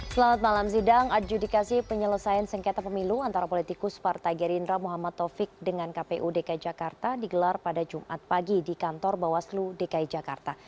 selamat malam sidang adjudikasi penyelesaian sengketa pemilu antara politikus partai gerindra muhammad taufik dengan kpu dki jakarta digelar pada jumat pagi di kantor bawaslu dki jakarta